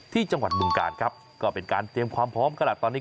ที่จังหวัดบึงกาลครับก็เป็นการเตรียมความพร้อมกันแหละตอนนี้